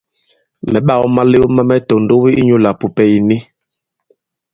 Mɛ̌ ɓāw malew ma mɛ tòndow inyūlā pùpɛ̀ ì ni.